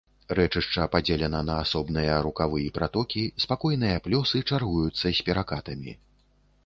Рэчышча падзелена на асобныя рукавы і пратокі, спакойныя плёсы чаргуюцца з перакатамі.